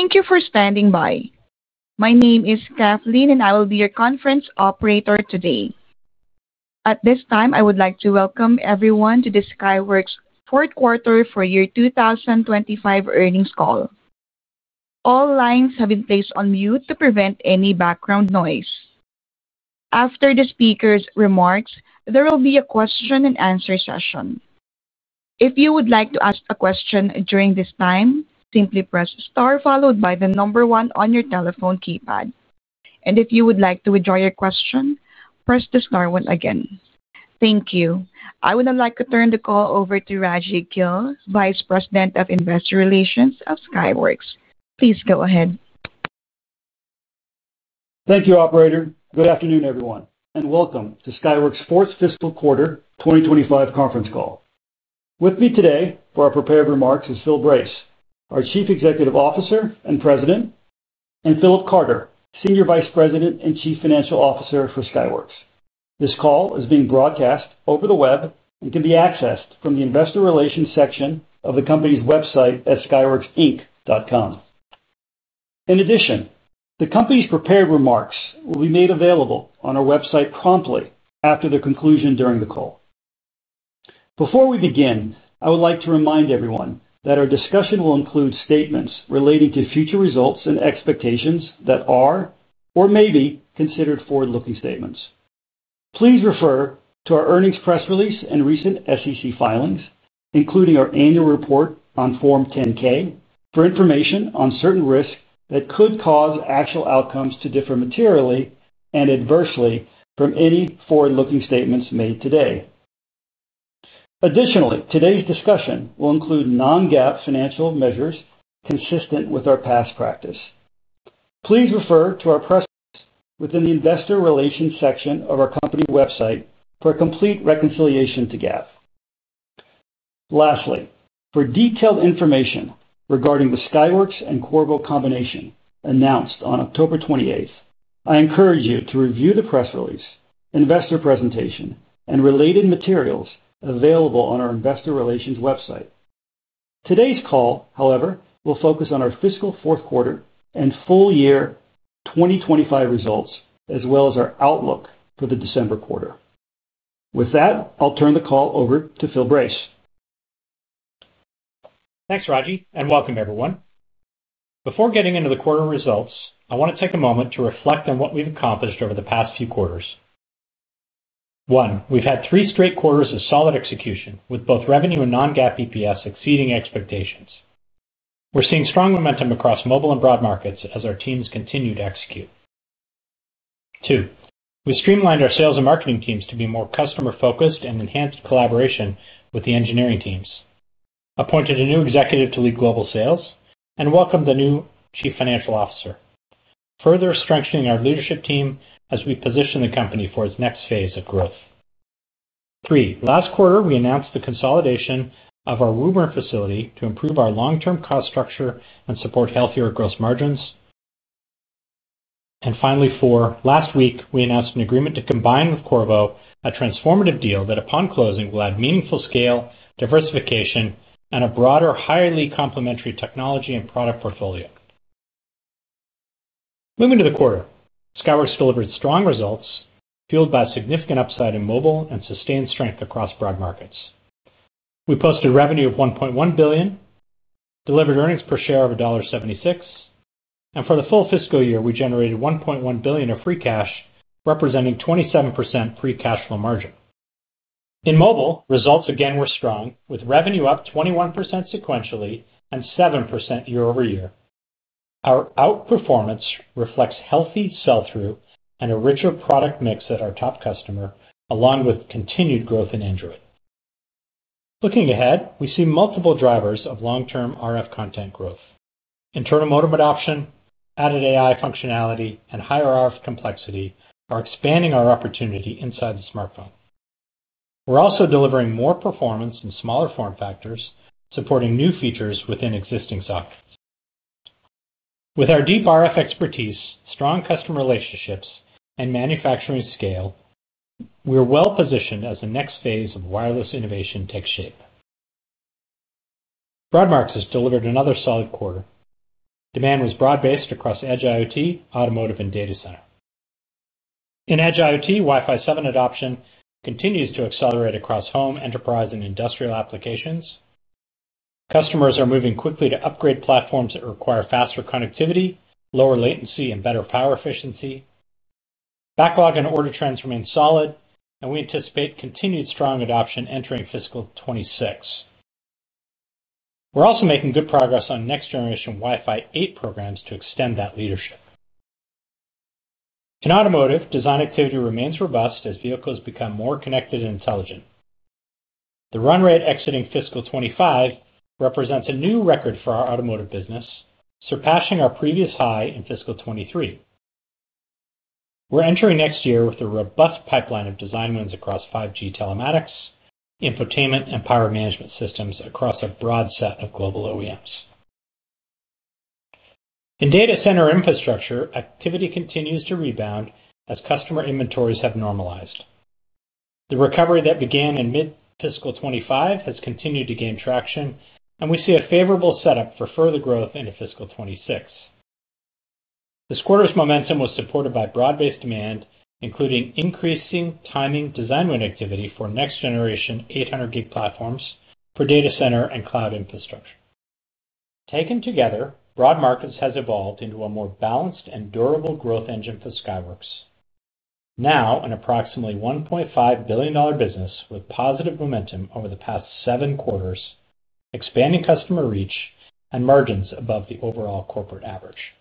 Thank you for standing by. My name is Kathleen, and I will be your conference operator today. At this time, I would like to welcome everyone to the Skyworks' fourth quarter for year 2025 earnings call. All lines have been placed on mute to prevent any background noise. After the speaker's remarks, there will be a question-and-answer session. If you would like to ask a question during this time, simply press star followed by the number one on your telephone keypad. And if you would like to withdraw your question, press the star one again. Thank you. I would now like to turn the call over to Raji Gill, Vice President of Investor Relations of Skyworks. Please go ahead. Thank you, Operator. Good afternoon, everyone, and welcome to Skyworks fourth fiscal quarter 2025 conference call. With me today for our prepared remarks is Phil Brace, our Chief Executive Officer and President. And Philip Carter, Senior Vice President and Chief Financial Officer for Skyworks. This call is being broadcast over the web and can be accessed from the Investor Relations section of the company's website at skyworksinc.com. In addition, the company's prepared remarks will be made available on our website promptly after their conclusion during the call. Before we begin, I would like to remind everyone that our discussion will include statements relating to future results and expectations that are or may be considered forward-looking statements. Please refer to our earnings press release and recent SEC filings, including our annual report on Form 10-K, for information on certain risks that could cause actual outcomes to differ materially and adversely from any forward-looking statements made today. Additionally, today's discussion will include non-GAAP financial measures consistent with our past practice. Please refer to our press release within the Investor Relations section of our company website for a complete reconciliation to GAAP. Lastly, for detailed information regarding the Skyworks and Corvo combination announced on October 28th, I encourage you to review the press release, investor presentation, and related materials available on our Investor Relations website. Today's call, however, will focus on our fiscal fourth quarter and full year 2025 results, as well as our outlook for the December quarter. With that, I'll turn the call over to Phil Brace. Thanks, Raji, and welcome, everyone. Before getting into the quarter results, I want to take a moment to reflect on what we've accomplished over the past few quarters. One, we've had three straight quarters of solid execution, with both revenue and non-GAAP EPS exceeding expectations. We're seeing strong momentum across mobile and broad markets as our teams continue to execute. Two, we streamlined our sales and marketing teams to be more customer-focused and enhanced collaboration with the engineering teams. Appointed a new executive to lead global sales and welcomed the new Chief Financial Officer, further strengthening our leadership team as we position the company for its next phase of growth. Three, last quarter, we announced the consolidation of our Woburn facility to improve our long-term cost structure and support healthier gross margins. Finally, four, last week, we announced an agreement to combine with Corvo a transformative deal that, upon closing, will add meaningful scale, diversification, and a broader, highly complementary technology and product portfolio. Moving to the quarter, Skyworks delivered strong results fueled by significant upside in mobile and sustained strength across broad markets. We posted revenue of $1.1 billion, delivered earnings per share of $1.76, and for the full fiscal year, we generated $1.1 billion of free cash, representing 27% free cash flow margin. In mobile, results again were strong, with revenue up 21% sequentially and 7% year-over-year. Our outperformance reflects healthy sell-through and a richer product mix at our top customer, along with continued growth in Android. Looking ahead, we see multiple drivers of long-term RF content growth. Internal modem adoption, added AI functionality, and higher RF complexity are expanding our opportunity inside the smartphone. We're also delivering more performance in smaller form factors, supporting new features within existing software. With our deep RF expertise, strong customer relationships, and manufacturing scale, we're well-positioned as the next phase of wireless innovation takes shape. Broad markets has delivered another solid quarter. Demand was broad-based across edge IoT, automotive, and data center. In edge IoT, Wi-Fi 7 adoption continues to accelerate across home, enterprise, and industrial applications. Customers are moving quickly to upgrade platforms that require faster connectivity, lower latency, and better power efficiency. Backlog and order trends remain solid, and we anticipate continued strong adoption entering fiscal 2026. We're also making good progress on next-generation Wi-Fi 8 programs to extend that leadership. In automotive, design activity remains robust as vehicles become more connected and intelligent. The run rate exiting fiscal 2025 represents a new record for our automotive business, surpassing our previous high in fiscal 2023. We're entering next year with a robust pipeline of design wins across 5G telematics, infotainment, and power management systems across a broad set of global OEMs. In data center infrastructure, activity continues to rebound as customer inventories have normalized. The recovery that began in mid-fiscal 2025 has continued to gain traction, and we see a favorable setup for further growth into fiscal 2026. This quarter's momentum was supported by broad-based demand, including increasing timing design win activity for next-generation 800G platforms for data center and cloud infrastructure. Taken together, broad markets have evolved into a more balanced and durable growth engine for Skyworks. Now an approximately $1.5 billion business with positive momentum over the past seven quarters, expanding customer reach, and margins above the overall corporate average.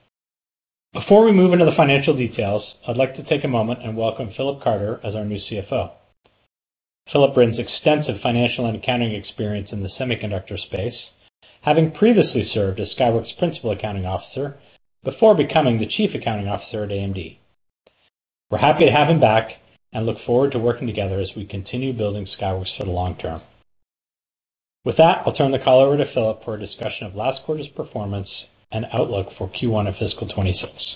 Before we move into the financial details, I'd like to take a moment and welcome Philip Carter as our new CFO. Philip brings extensive financial and accounting experience in the semiconductor space, having previously served as Skyworks' principal accounting officer before becoming the chief accounting officer at AMD. We're happy to have him back and look forward to working together as we continue building Skyworks for the long-term. With that, I'll turn the call over to Philip for a discussion of last quarter's performance and outlook for Q1 of fiscal 2026.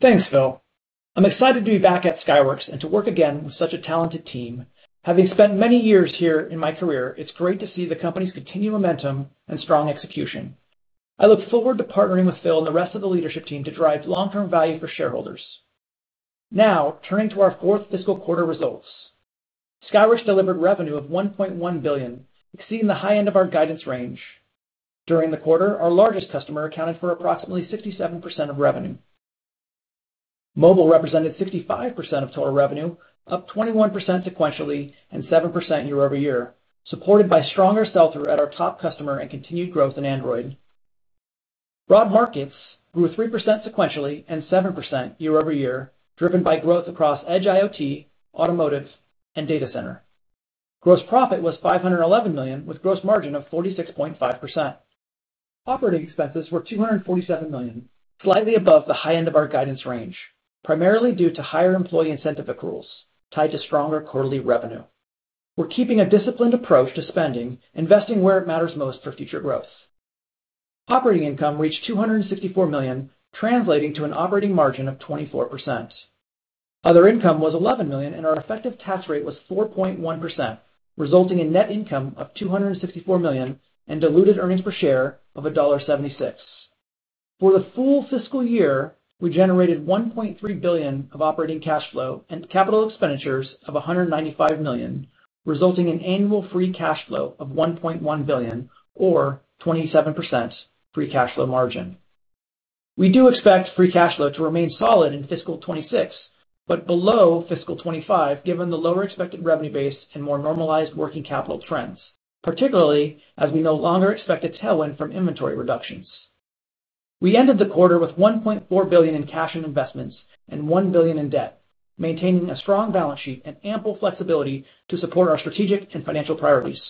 Thanks, Phil. I'm excited to be back at Skyworks and to work again with such a talented team. Having spent many years here in my career, it's great to see the company's continued momentum and strong execution. I look forward to partnering with Phil and the rest of the leadership team to drive long-term value for shareholders. Now, turning to our fourth fiscal quarter results, Skyworks delivered revenue of $1.1 billion, exceeding the high end of our guidance range. During the quarter, our largest customer accounted for approximately 67% of revenue. Mobile represented 65% of total revenue, up 21% sequentially and 7% year-over-year, supported by stronger sell-through at our top customer and continued growth in Android. Broad markets grew 3% sequentially and 7% year-over-year, driven by growth across edge IoT, automotive, and data center. Gross profit was $511 million, with gross margin of 46.5%. Operating expenses were $247 million, slightly above the high end of our guidance range, primarily due to higher employee incentive accruals tied to stronger quarterly revenue. We're keeping a disciplined approach to spending, investing where it matters most for future growth. Operating income reached $264 million, translating to an operating margin of 24%. Other income was $11 million, and our effective tax rate was 4.1%, resulting in net income of $264 million and diluted earnings per share of $1.76. For the full fiscal year, we generated $1.3 billion of operating cash flow and capital expenditures of $195 million, resulting in annual free cash flow of $1.1 billion, or 27% free cash flow margin. We do expect free cash flow to remain solid in fiscal 2026, but below fiscal 2025, given the lower expected revenue base and more normalized working capital trends, particularly as we no longer expect a tailwind from inventory reductions. We ended the quarter with $1.4 billion in cash and investments and $1 billion in debt, maintaining a strong balance sheet and ample flexibility to support our strategic and financial priorities.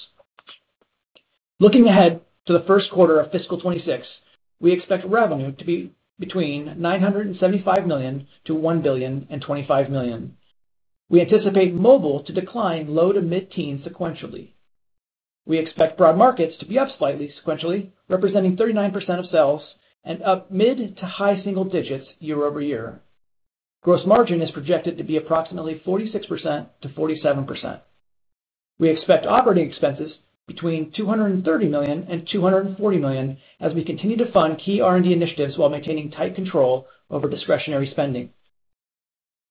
Looking ahead to the first quarter of fiscal 2026, we expect revenue to be between $975 million-$1.025 billion. We anticipate mobile to decline low to mid-teens sequentially. We expect broad markets to be up slightly sequentially, representing 39% of sales and up mid to high single digits year-over-year. Gross margin is projected to be approximately 46%-47%. We expect operating expenses between $230 million and $240 million as we continue to fund key R&D initiatives while maintaining tight control over discretionary spending.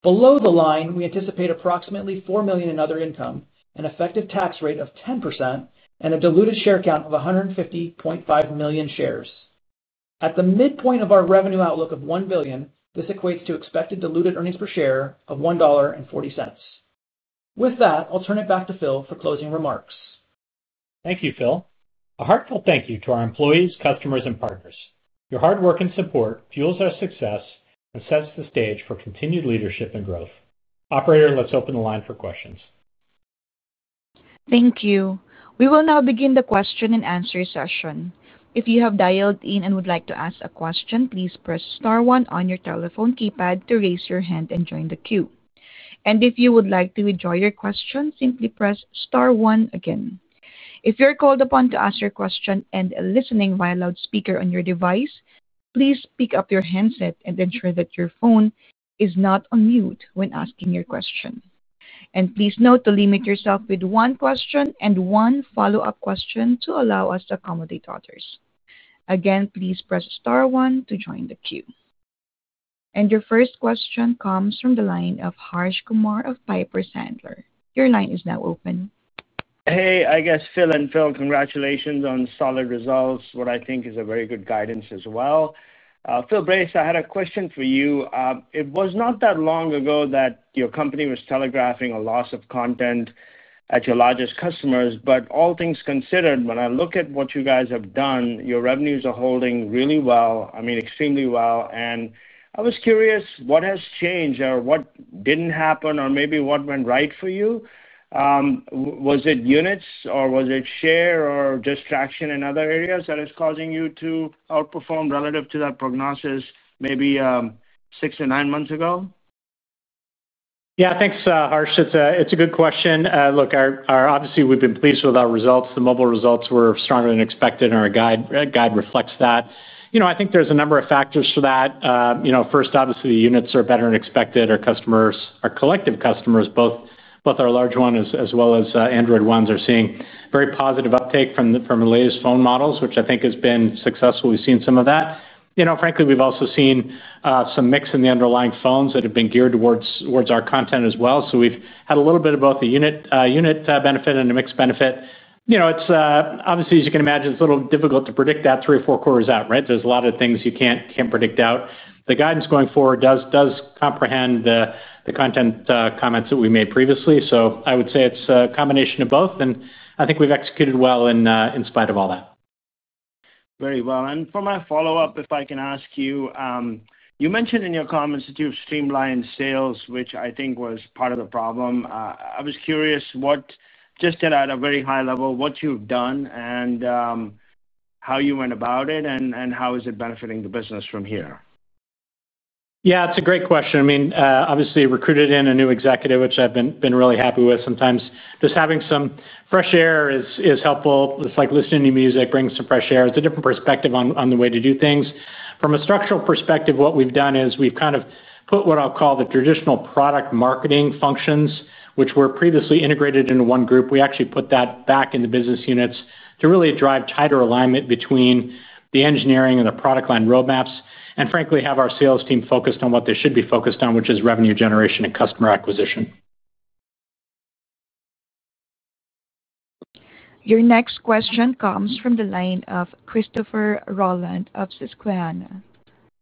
Below the line, we anticipate approximately $4 million in other income, an effective tax rate of 10%, and a diluted share count of 150.5 million shares. At the midpoint of our revenue outlook of $1 billion, this equates to expected diluted earnings per share of $1.40. With that, I'll turn it back to Phil for closing remarks. Thank you, Phil. A heartfelt thank you to our employees, customers, and partners. Your hard work and support fuels our success and sets the stage for continued leadership and growth. Operator, let's open the line for questions. Thank you. We will now begin the question-and-answer session. If you have dialed in and would like to ask a question, please press star one on your telephone keypad to raise your hand and join the queue. And if you would like to withdraw your question, simply press star one again. If you're called upon to ask your question and are listening via loudspeaker on your device, please pick up your handset and ensure that your phone is not on mute when asking your question. And please note to limit yourself with one question and one follow-up question to allow us to accommodate others. Again, please press star one to join the queue. And your first question comes from the line of Harsh Kumar of Piper Sandler. Your line is now open. Hey, I guess Phil and Phil, congratulations on solid results, what I think is very good guidance as well. Phil Brace, I had a question for you. It was not that long ago that your company was telegraphing a loss of content at your largest customers. But all things considered, when I look at what you guys have done, your revenues are holding really well, I mean, extremely well. And I was curious, what has changed or what didn't happen or maybe what went right for you? Was it units or was it share or just traction in other areas that is causing you to outperform relative to that prognosis maybe six or nine months ago? Yeah, thanks, Harsh. It's a good question. Look, obviously, we've been pleased with our results. The mobile results were stronger than expected, and our guide reflects that. I think there's a number of factors for that. First, obviously, the units are better than expected. Our customers, our collective customers, both our large ones as well as Android ones, are seeing very positive uptake from the latest phone models, which I think has been successful. We've seen some of that. Frankly, we've also seen some mix in the underlying phones that have been geared towards our content as well. So we've had a little bit of both a unit benefit and a mixed benefit. Obviously, as you can imagine, it's a little difficult to predict that three or four quarters out, right? There's a lot of things you can't predict out. The guidance going forward does comprehend the content comments that we made previously. So I would say it's a combination of both, and I think we've executed well in spite of all that. Very well. And for my follow-up, if I can ask you, you mentioned in your comments that you've streamlined sales, which I think was part of the problem. I was curious, just at a very high level, what you've done and how you went about it and how is it benefiting the business from here? Yeah, it's a great question. I mean, obviously, recruited in a new executive, which I've been really happy with. Sometimes just having some fresh air is helpful. It's like listening to music, bringing some fresh air. It's a different perspective on the way to do things. From a structural perspective, what we've done is we've kind of put what I'll call the traditional product marketing functions, which were previously integrated into one group. We actually put that back in the business units to really drive tighter alignment between the engineering and the product line roadmaps and, frankly, have our sales team focused on what they should be focused on, which is revenue generation and customer acquisition. Your next question comes from the line of Christopher Rolland of Susquehanna.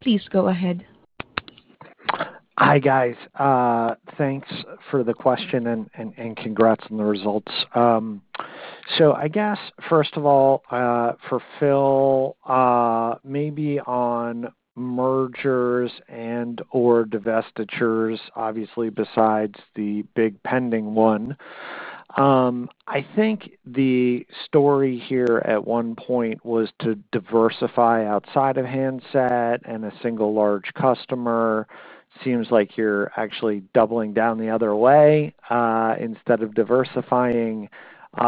Please go ahead. Hi, guys. Thanks for the question and congrats on the results. So I guess, first of all, for Phil. Maybe on mergers and/or divestitures, obviously, besides the big pending one. I think the story here at one point was to diversify outside of handset and a single large customer. Seems like you're actually doubling down the other way instead of diversifying.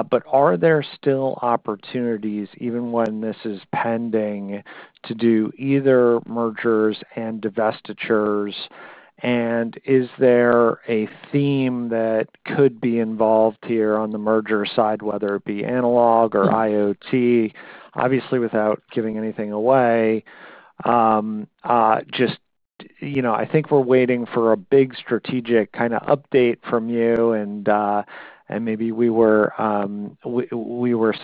But are there still opportunities, even when this is pending, to do either mergers and divestitures? And is there a theme that could be involved here on the merger side, whether it be analog or IoT? Obviously, without giving anything away. Just I think we're waiting for a big strategic kind of update from you, and maybe we were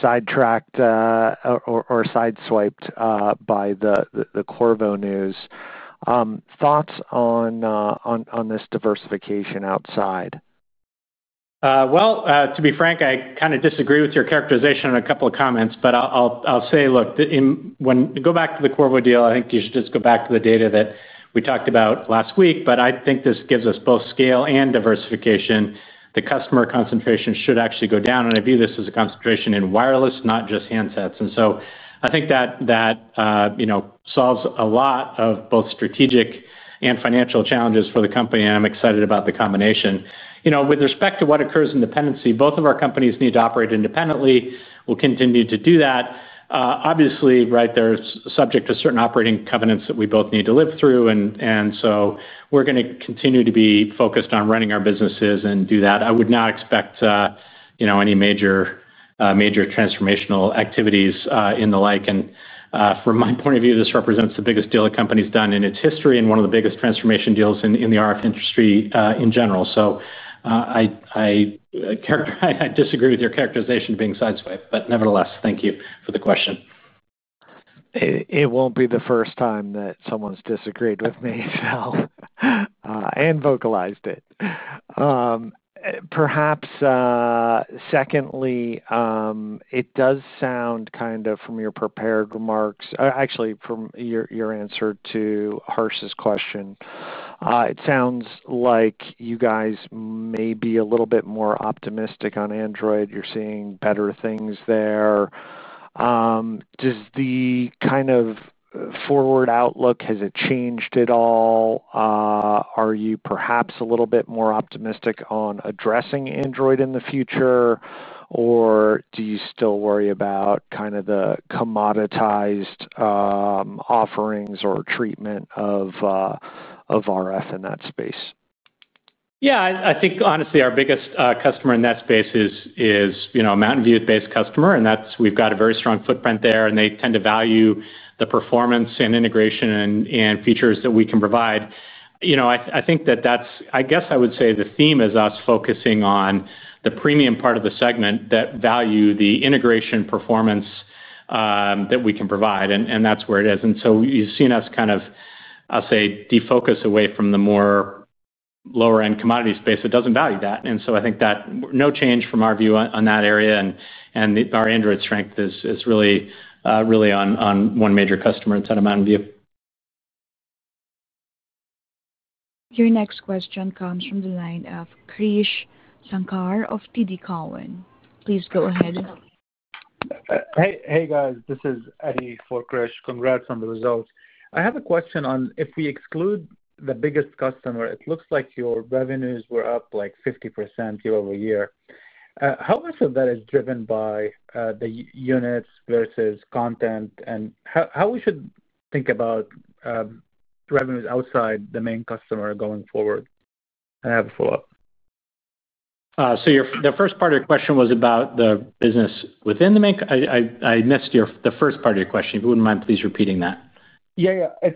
sidetracked or sideswiped by the Corvo news. Thoughts on this diversification outside? Well, to be frank, I kind of disagree with your characterization on a couple of comments, but I'll say, look, when you go back to the Corvo deal, I think you should just go back to the data that we talked about last week. But I think this gives us both scale and diversification. The customer concentration should actually go down, and I view this as a concentration in wireless, not just handsets. And so I think that solves a lot of both strategic and financial challenges for the company, and I'm excited about the combination. With respect to what occurs in independence, both of our companies need to operate independently. We'll continue to do that. Obviously, right, they're subject to certain operating covenants that we both need to live through. And so we're going to continue to be focused on running our businesses and do that. I would not expect any major transformational activities in the interim. And from my point of view, this represents the biggest deal the company's done in its history and one of the biggest transformation deals in the RF industry in general. So I disagree with your characterization of being sideswiped, but nevertheless, thank you for the question. It won't be the first time that someone's disagreed with me, Phil. And vocalized it. Perhaps secondly, it does sound kind of from your prepared remarks, actually, from your answer to Harsh's question, it sounds like you guys may be a little bit more optimistic on Android, you're seeing better things there. Does the kind of forward outlook, has it changed at all? Are you perhaps a little bit more optimistic on addressing Android in the future? Or do you still worry about kind of the commoditized offerings or treatment of RF in that space? Yeah, I think, honestly, our biggest customer in that space is a Mountain View-based customer, and we've got a very strong footprint there. And they tend to value the performance and integration and features that we can provide. I think that that's, I guess I would say the theme is us focusing on the premium part of the segment that values the integration performance. That we can provide and that's where it is. And so you've seen us kind of, I'll say, defocus away from the more lower-end commodity space that doesn't value that. And so I think that no change from our view on that area. And our Android strength is really on one major customer instead of Mountain View. Your next question comes from the line of Krish Sankar of TD Cowen. Please go ahead. Hey, guys. This is Eddie for Kris. Congrats on the results. I have a question on if we exclude the biggest customer, it looks like your revenues were up like 50% year-over-year. How much of that is driven by the units versus content? And how we should think about revenues outside the main customer going forward? I have a follow-up. So the first part of your question was about the business within the main, I missed the first part of your question. If you wouldn't mind, please repeat that. Yeah, yeah.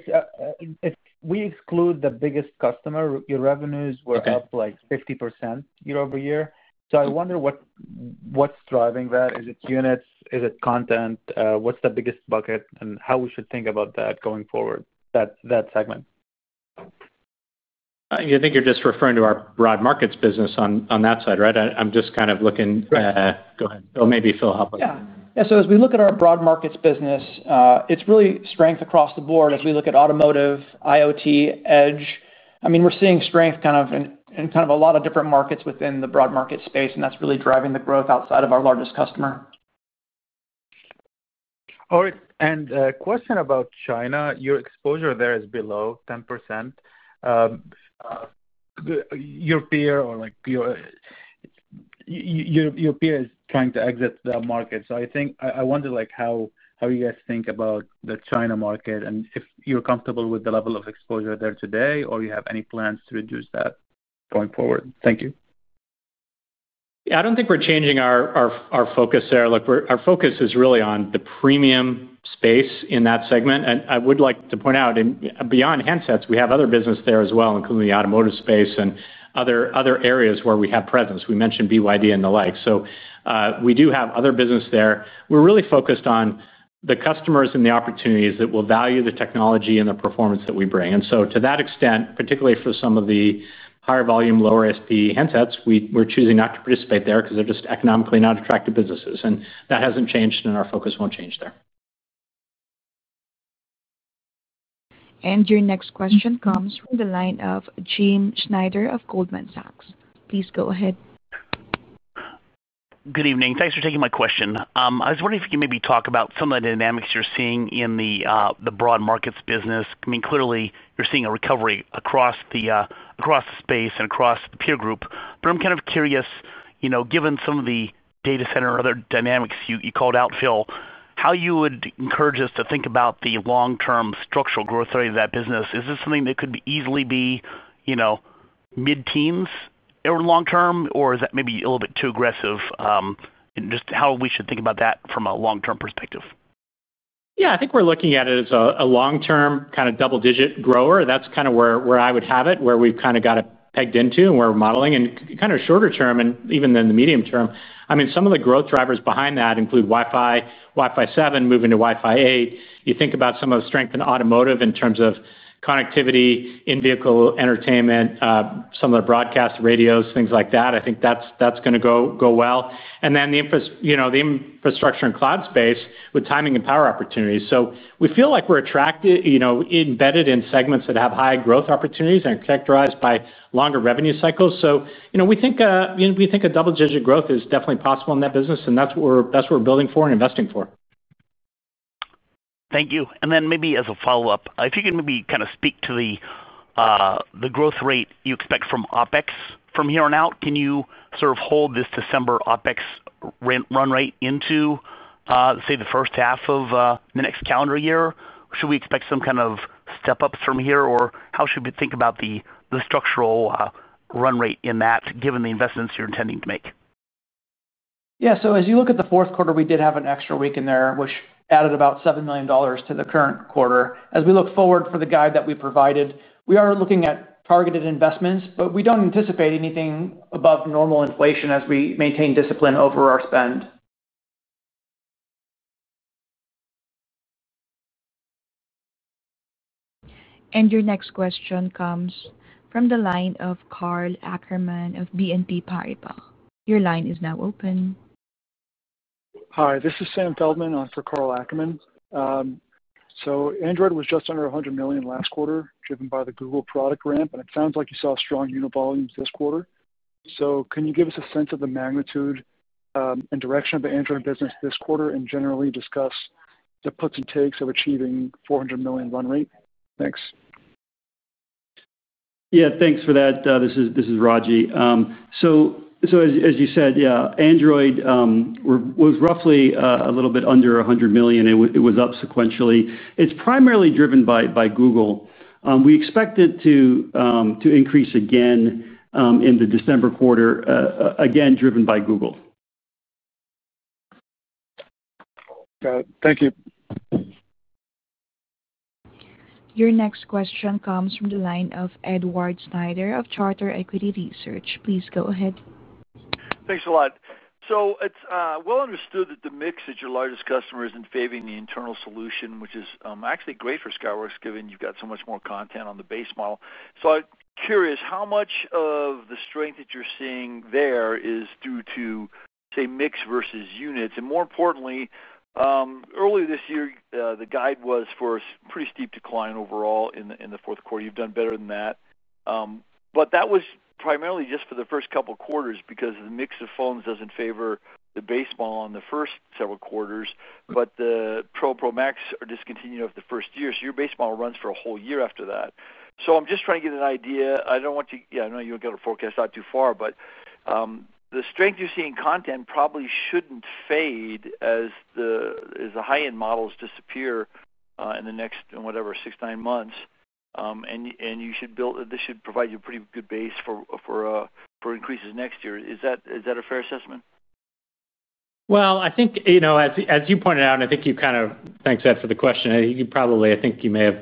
If we exclude the biggest customer, your revenues were up like 50% year-over-year. So I wonder what's driving that. Is it units? Is it content? What's the biggest bucket and how we should think about that going forward, that segment? I think you're just referring to our broad markets business on that side, right? I'm just kind of looking, go ahead. So maybe Phil help us. Yeah. Yeah, so as we look at our broad markets business, it's really strength across the board. As we look at automotive, IoT, edge, I mean, we're seeing strength kind of in kind of a lot of different markets within the broad market space, and that's really driving the growth outside of our largest customer. All right. And a question about China. Your exposure there is below 10%. Your peer is trying to exit the market. So I wonder how you guys think about the China market and if you're comfortable with the level of exposure there today or you have any plans to reduce that going forward? Thank you. Yeah. I don't think we're changing our focus there. Look, our focus is really on the premium space in that segment. And I would like to point out, beyond handsets, we have other business there as well, including the automotive space and other areas where we have presence. We mentioned BYD and the like. So we do have other business there. We're really focused on the customers and the opportunities that will value the technology and the performance that we bring. And so to that extent, particularly for some of the higher volume, lower SP handsets, we're choosing not to participate there because they're just economically not attractive businesses. And that hasn't changed, and our focus won't change there. Your next question comes from the line of Jim Schneider of Goldman Sachs. Please go ahead. Good evening. Thanks for taking my question. I was wondering if you could maybe talk about some of the dynamics you're seeing in the broad markets business. I mean, clearly, you're seeing a recovery across the space and across the peer group. But I'm kind of curious, given some of the data center and other dynamics you called out, Phil, how you would encourage us to think about the long-term structural growth rate of that business. Is this something that could easily be mid-teens or long-term, or is that maybe a little bit too aggressive? And just how we should think about that from a long-term perspective. Yeah. I think we're looking at it as a long-term kind of double-digit grower. That's kind of where I would have it, where we've kind of got it pegged into and where we're modeling. And kind of shorter-term and even in the medium-term, I mean, some of the growth drivers behind that include Wi-Fi, Wi-Fi 7, moving to Wi-Fi 8. You think about some of the strength in automotive in terms of connectivity in vehicle entertainment, some of the broadcast radios, things like that. I think that's going to go well. And then the infrastructure and cloud space with timing and power opportunities. So we feel like we're embedded in segments that have high growth opportunities and are characterized by longer revenue cycles. So we think a double-digit growth is definitely possible in that business, and that's what we're building for and investing for. Thank you. And then maybe as a follow-up, if you can maybe kind of speak to the growth rate you expect from OpEx from here on out, can you sort of hold this December OpEx run rate into say the first half of the next calendar year? Should we expect some kind of step-ups from here, or how should we think about the structural run rate in that, given the investments you're intending to make? Yeah. So as you look at the fourth quarter, we did have an extra week in there, which added about $7 million to the current quarter. As we look forward for the guide that we provided, we are looking at targeted investments, but we don't anticipate anything above normal inflation as we maintain discipline over our spend. And your next question comes from the line of Carl Ackerman of BNP Paribas. Your line is now open. Hi. This is Sam Feldman for Carl Ackerman. So Android was just under 100 million last quarter, driven by the Google product ramp. It sounds like you saw strong unit volumes this quarter. So can you give us a sense of the magnitude and direction of the Android business this quarter and generally discuss the puts and takes of achieving 400 million run rate? Thanks. Yeah. Thanks for that. This is Raji. So as you said, yeah, Android was roughly a little bit under 100 million. It was up sequentially. It's primarily driven by Google. We expect it to increase again in the December quarter, again driven by Google. Got it. Thank you. Your next question comes from the line of Edward Snyder of Charter Equity Research. Please go ahead. Thanks a lot. So it's well understood that the mix at your largest customer isn't favoring the internal solution, which is actually great for Skyworks given you've got so much more content on the base model. So I'm curious, how much of the strength that you're seeing there is due to, say, mix versus units? And, more importantly, earlier this year, the guide was for a pretty steep decline overall in the fourth quarter. You've done better than that. But that was primarily just for the first couple of quarters because the mix of phones doesn't favor the base model in the first several quarters. But the Pro and Pro Max are discontinued after the first year. So your base model runs for a whole year after that. So I'm just trying to get an idea. I don't want you, yeah, I know you don't get a forecast out too far, but the strength you're seeing in content probably shouldn't fade as the high-end models disappear in the next, whatever, six, nine months. And this should provide you a pretty good base for increases next year. Is that a fair assessment? Well, I think. As you pointed out, and I think you kind of, thanks for the question. I think you probably, I think you may have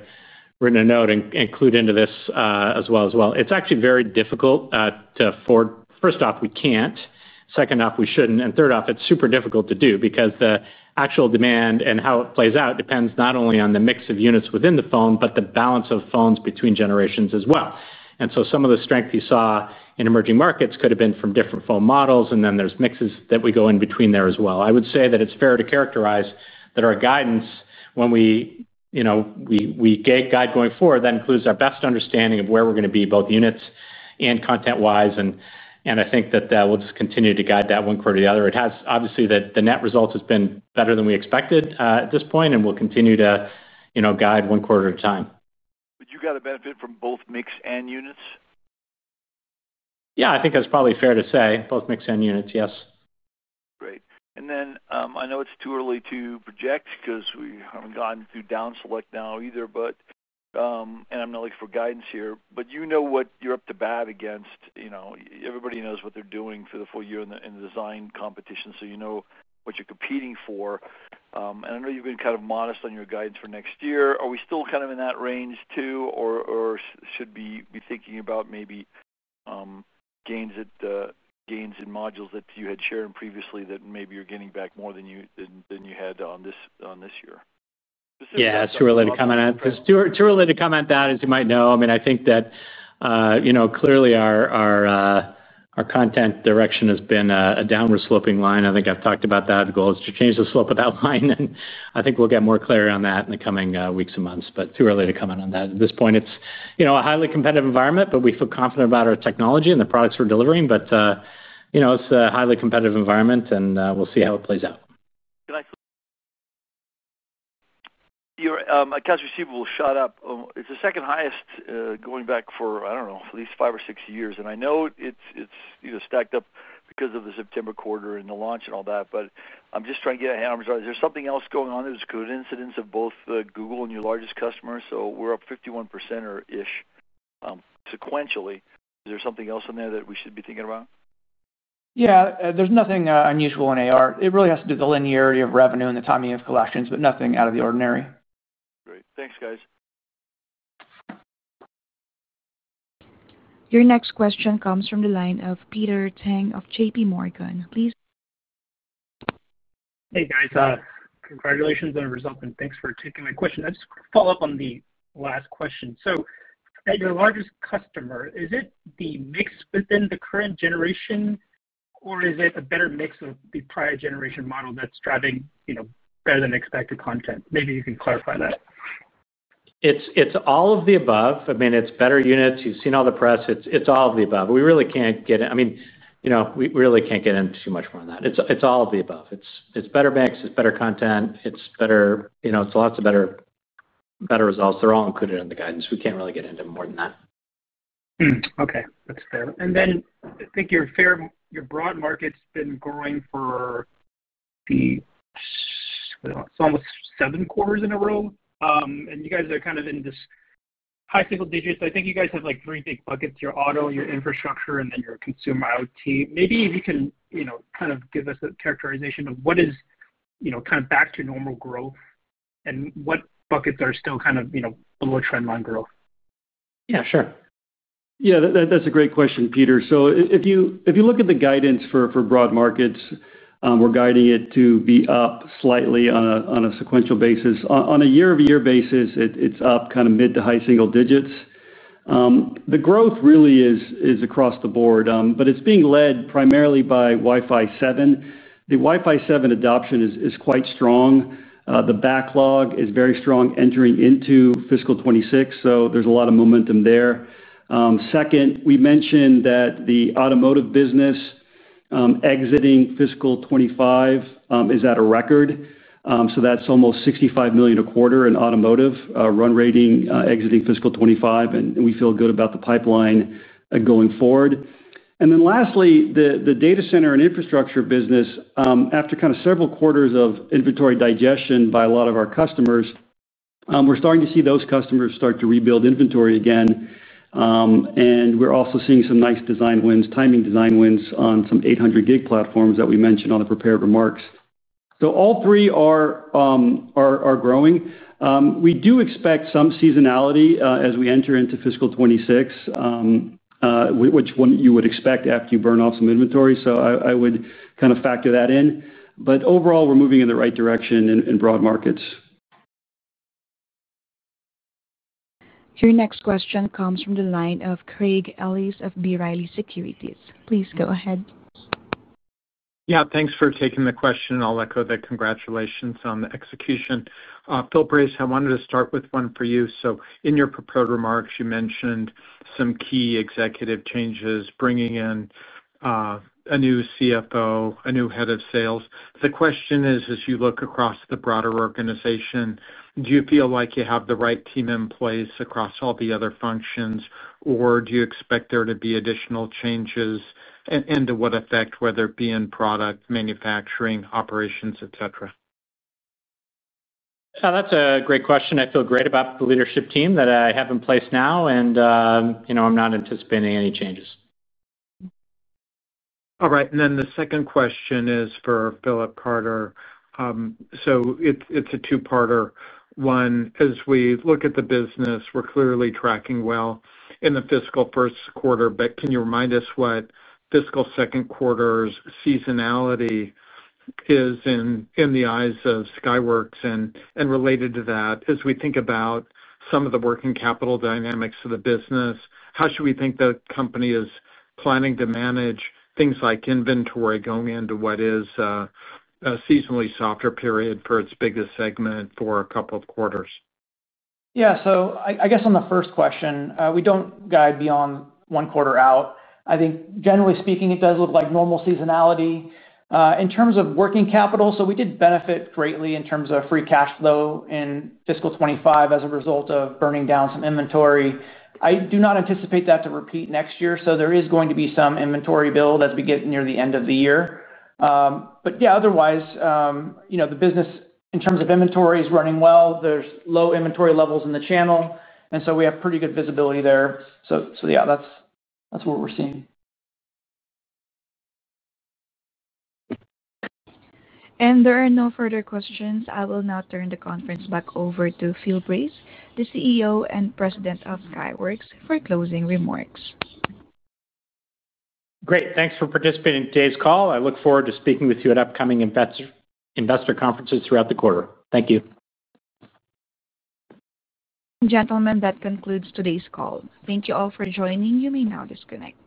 written a note and clued into this as well. It's actually very difficult to forecast. First off, we can't. Second off, we shouldn't. And third off, it's super difficult to do because the actual demand and how it plays out depends not only on the mix of units within the phone, but the balance of phones between generations as well. And so some of the strength you saw in emerging markets could have been from different phone models. And then there's mixes that we go in between there as well. I would say that it's fair to characterize that our guidance when we guide going forward, that includes our best understanding of where we're going to be, both units and content-wise and I think that we'll just continue to guide that one quarter or the other. Obviously, the net result has been better than we expected at this point, and we'll continue to guide one quarter at a time. But you got to benefit from both mix and units? Yeah. I think that's probably fair to say. Both mix and units, yes. Great. And then I know it's too early to project because we haven't gone through down select now either, but. And I'm not looking for guidance here. But you know what you're up to bat against. Everybody knows what they're doing for the full year in the design competition, so you know what you're competing for. And I know you've been kind of modest on your guidance for next year. Are we still kind of in that range too, or should we be thinking about maybe gains in modules that you had shared previously that maybe you're getting back more than you had on this year? Yeah. It's too early to comment on that. It's too early to comment on that, as you might know, I mean, I think that clearly our content direction has been a downward sloping line. I think I've talked about that. The goal is to change the slope of that line, and I think we'll get more clarity on that in the coming weeks and months, but too early to comment on that at this point. It's a highly competitive environment, but we feel confident about our technology and the products we're delivering. But. It's a highly competitive environment, and we'll see how it plays out. Your accounts receivable shot up. It's the second highest going back for, I don't know, at least five or six years. And I know it's stacked up because of the September quarter and the launch and all that. But I'm just trying to get a handle on it. Is there something else going on? There's good invoicing of both Google and your largest customer. So we're up 51%-ish. Sequentially. Is there something else in there that we should be thinking about? Yeah. There's nothing unusual in AR. It really has to do with the linearity of revenue and the timing of collections, but nothing out of the ordinary. Great. Thanks, guys. Your next question comes from the line of Peter Tang of JPMorgan. Please. Hey, guys. Congratulations on your result, and thanks for taking my question. That's a follow-up on the last question. So at your largest customer, is it the mix within the current generation, or is it a better mix of the prior generation model that's driving better-than-expected content? Maybe you can clarify that. It's all of the above. I mean, it's better units. You've seen all the press. It's all of the above. We really can't get, I mean, we really can't get into too much more on that. It's all of the above, it's better mix, it's better content, it's lots of better results. They're all included in the guidance. We can't really get into more than that. Okay. That's fair. And then I think your broad market's been growing for, it's almost seven quarters in a row. And you guys are kind of in this high single digit. So I think you guys have three big buckets: your auto, your infrastructure, and then your consumer IoT. Maybe if you can kind of give us a characterization of what is kind of back to normal growth and what buckets are still kind of below trendline growth. Yeah. Sure. Yeah. That's a great question, Peter. So if you look at the guidance for broad markets, we're guiding it to be up slightly on a sequential basis. On a year-over-year basis, it's up kind of mid to high single digits. The growth really is across the board, but it's being led primarily by Wi-Fi 7. The Wi-Fi 7 adoption is quite strong. The backlog is very strong entering into fiscal 2026, so there's a lot of momentum there. Second, we mentioned that the automotive business exiting fiscal 2025 is at a record. So that's almost $65 million a quarter in automotive run rate exiting fiscal 2025. And we feel good about the pipeline going forward. And then lastly, the data center and infrastructure business, after kind of several quarters of inventory digestion by a lot of our customers, we're starting to see those customers start to rebuild inventory again. And we're also seeing some nice design wins, timing design wins on some 800G platforms that we mentioned on the prepared remarks. So all three are growing. We do expect some seasonality as we enter into fiscal 2026, which you would expect after you burn off some inventory. So I would kind of factor that in. But overall, we're moving in the right direction in broad markets. Your next question comes from the line of Craig Ellis of B. Riley Securities. Please go ahead. Yeah. Thanks for taking the question. I'll echo the congratulations on the execution. Phil Brace, I wanted to start with one for you. So in your prepared remarks, you mentioned some key executive changes, bringing in a new CFO, a new head of sales. The question is, as you look across the broader organization, do you feel like you have the right team in place across all the other functions, or do you expect there to be additional changes and to what effect, whether it be in product, manufacturing, operations, etc.? That's a great question. I feel great about the leadership team that I have in place now, and I'm not anticipating any changes. All right. And then the second question is for Philip Carter. So it's a two-parter. One, as we look at the business, we're clearly tracking well in the fiscal first quarter. But can you remind us what fiscal second quarter's seasonality is in the eyes of Skyworks? And related to that, as we think about some of the working capital dynamics of the business, how should we think the company is planning to manage things like inventory going into what is a seasonally softer period for its biggest segment for a couple of quarters? Yeah. So I guess on the first question, we don't guide beyond one quarter out. I think, generally speaking, it does look like normal seasonality. In terms of working capital, so we did benefit greatly in terms of free cash flow in fiscal 2025 as a result of burning down some inventory. I do not anticipate that to repeat next year. So there is going to be some inventory build as we get near the end of the year. But yeah, otherwise, the business, in terms of inventory, is running well. There's low inventory levels in the channel and so we have pretty good visibility there. So yeah, that's what we're seeing. There are no further questions. I will now turn the conference back over to Phil Brace, the CEO and President of Skyworks, for closing remarks. Great. Thanks for participating in today's call. I look forward to speaking with you at upcoming investor conferences throughout the quarter. Thank you. Gentlemen, that concludes today's call. Thank you all for joining. You may now disconnect.